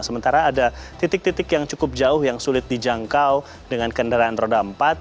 sementara ada titik titik yang cukup jauh yang sulit dijangkau dengan kendaraan roda empat